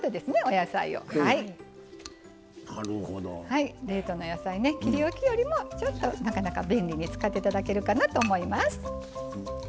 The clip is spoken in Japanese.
はい冷凍の野菜ね切りおきよりもちょっとなかなか便利に使っていただけるかなと思います。